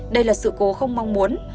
đây là sự cố không mong muốn